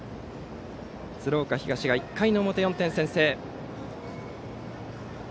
鶴岡東が１回の表、４点先制。